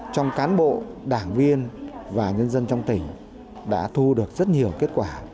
trong cán bộ đảng viên và nhân dân trong tỉnh đã thu được rất nhiều kết quả